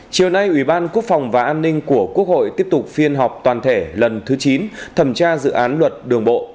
chiều nay ủy ban quốc phòng và an ninh của quốc hội tiếp tục phiên họp toàn thể lần thứ chín thẩm tra dự án luật đường bộ